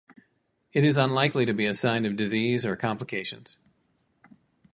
It is unlikely to be a sign of disease or complications.